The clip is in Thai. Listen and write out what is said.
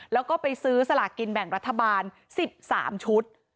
แล้วก็ไปซื้อสลากกินแบ่งรัฐบาล๑๓ชุด